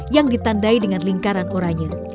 yang ditandai dengan lingkaran oranye